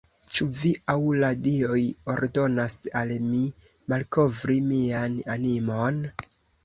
Ĉu vi aŭ la dioj ordonas al mi malkovri mian animon?